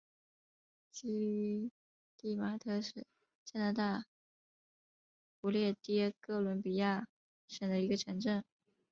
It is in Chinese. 基蒂马特是加拿大不列颠哥伦比亚省的一个城镇。